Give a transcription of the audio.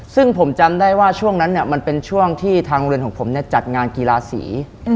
ซึ่งผมจำได้ว่าช่วงนั้นมันเป็นช่วงที่ทางโรงเรียนของผมจัดงานกีฬาสี